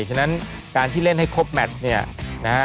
ฉะนั้นการที่เล่นให้ครบแมทเนี่ยนะฮะ